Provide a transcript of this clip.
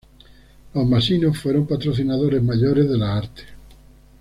Los Massimo fueron patrocinadores mayores de las artes.